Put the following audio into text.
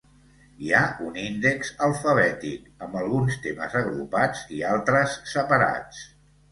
Hi ha un índex alfabètic, amb alguns temes agrupats i altres separats.